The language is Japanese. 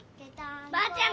ばあちゃん